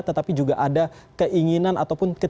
tetapi juga ada keinginan ataupun